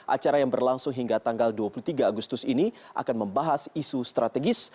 acara yang berlangsung hingga tanggal dua puluh tiga agustus ini akan membahas isu strategis